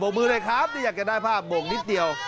บ่งมือด้วยครับอยากจะได้ภาพบ่งนิดเดียว